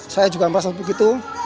saya juga merasa begitu